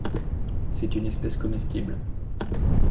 C'est une espèce comestible.